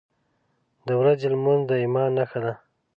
• د ورځې لمونځ د ایمان نښه ده.